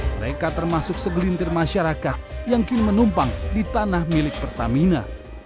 mereka termasuk segelintir masyarakat yang kini menumpang di tanah milik pertamina